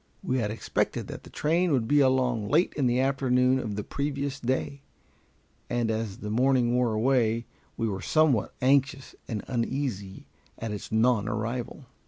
We had expected that the train would be along late in the afternoon of the previous day, and as the morning wore away we were somewhat anxious and uneasy at its nonarrival.